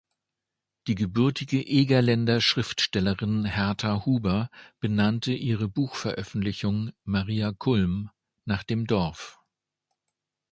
Die gebürtige Egerländer Schriftstellerin Herta Huber benannte ihre Buchveröffentlichung „Maria Kulm“ nach dem Dorf.